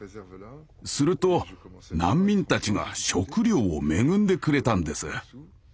すると難民たちが食料を恵んでくれたんです。